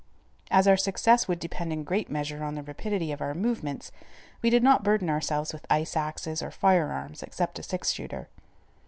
As our success would depend in great measure on the rapidity of our movements, we did not burden ourselves with ice axes or firearms except a six shooter.